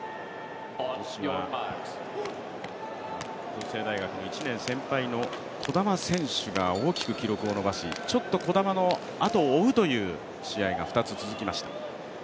法政大学の１年先輩の児玉選手が非常にいい記録を出しちょっと児玉のあとを追うという試合が２つ続きました。